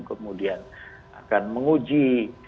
kemudian akan menguji